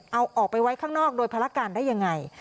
เอาออกไปไว้ข้างนอกโดยภารการได้ยังไง